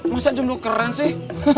masa jumlah keren sih